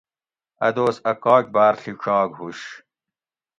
اۤ دوس اۤ کاک باۤر ڷیڄاگ ہوش